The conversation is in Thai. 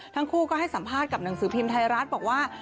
ทั้งคู่ก็ให้สัมภาษณ์กับหนังสือพิมพ์ไทยรัฐบอกว่า